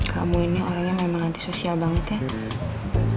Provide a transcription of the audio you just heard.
kamu ini orangnya memang anti sosial banget ya